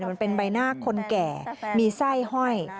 มันเป็นใบหน้าคนแก่มีไส้ห้อย